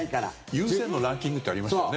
ＵＳＥＮのランキングってありましたよね。